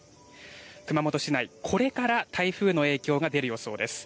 熊本市内、これから台風の影響が出る予想です。